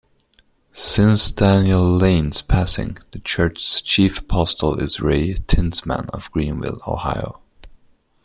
Since Daniel Layne's passing, the church's chief apostle is Ray Tinsman of Greenville, Ohio.